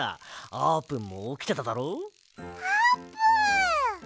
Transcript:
あーぷん。